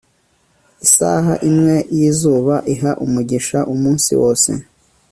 Isaha imwe yizuba iha umugisha umunsi wose